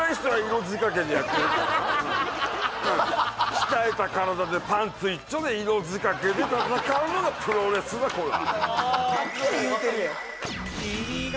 鍛えた体でパンツ一丁で色仕掛けで戦うのがプロレスはこうだ